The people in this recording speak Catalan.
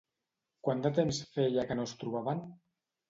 Quant de temps feia que no es trobaven?